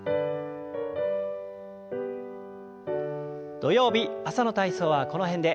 土曜日朝の体操はこの辺で。